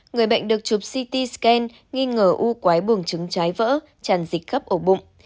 người bệnh được chụp ct scan nghi ngờ u quái bùng trứng trái vỡ tràn dịch khắp ổ bụng